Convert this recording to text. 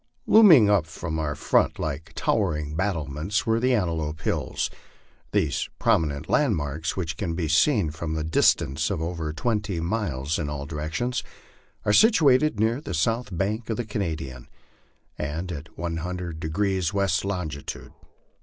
Looming up in our front like towering battlements were the Antelope Hills. These prominent landmarks, which can be seen from a distance of over twenty miles in all directions, are situated near the south bank of the Canadian, and at 100 deg. W. longitude.